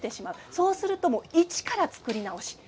そうすると一から作り直し。